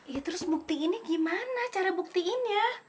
ya terus buktiinnya gimana cara buktiinnya